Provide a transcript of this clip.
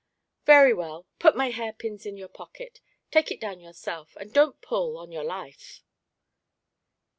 "Very well, put my hairpins in your pocket. Take it down yourself, and don't pull, on your life."